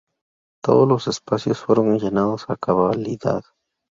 Todos los espacios fueron llenados a cabalidad.